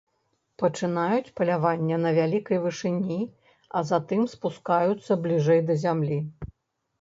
Пачынаюць паляванне на вялікай вышыні, а затым спускаюцца бліжэй да зямлі.